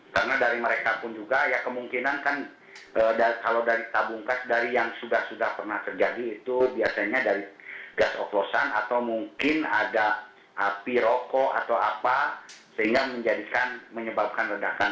karena dari mereka pun juga ya kemungkinan kan kalau dari tabung gas dari yang sudah sudah pernah terjadi itu biasanya dari gas oklosan atau mungkin ada api rokok atau apa sehingga menjadikan menyebabkan ledakan